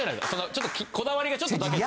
ちょっとこだわりがちょっとだけ。